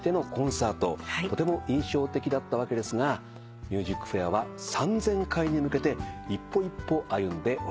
とても印象的だったわけですが『ＭＵＳＩＣＦＡＩＲ』は３，０００回に向けて一歩一歩歩んでおります。